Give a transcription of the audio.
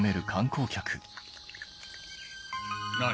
何？